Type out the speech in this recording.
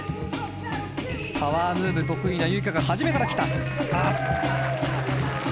パワームーブ得意なＹｕｉｋａが初めから来た。